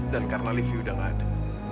dan karena livi udah nggak ada